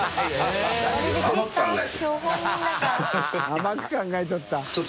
「甘く考えとった」